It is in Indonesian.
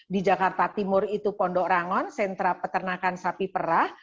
di jakarta timur itu pondok rangon sentra peternakan sapi perah